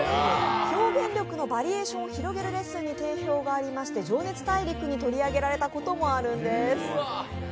表現力のバリエーションを広げるレッスンに定評がありまして「情熱大陸」に取り上げられたこともあるんです。